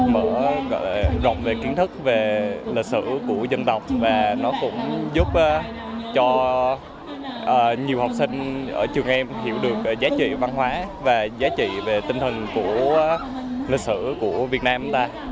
nó giúp em mở rộng về kiến thức về lịch sử của dân tộc và nó cũng giúp cho nhiều học sinh ở trường em hiểu được giá trị văn hóa và giá trị về tinh thần của lịch sử của việt nam